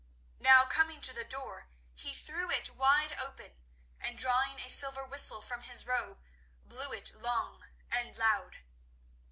Now coming to the door, he threw it wide open, and drawing a silver whistle from his robe, blew it long and loud.